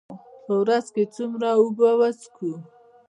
په ورځ کې څومره اوبه وڅښو؟